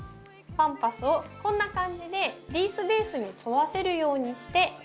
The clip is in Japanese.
パンパスをこんな感じでリースベースに沿わせるようにして巻いていきます。